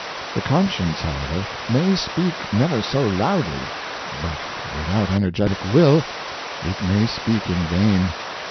The conscience, however, may speak never so loudly, but without energetic will it may speak in vain.